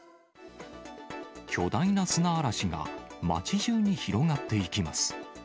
巨大な砂嵐が街じゅうに広がっていきます。